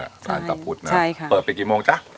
ล้านซะพุทธเปิดได้มันไปกี่โมง